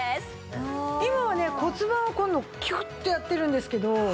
今はね骨盤を今度キュッとやってるんですけど。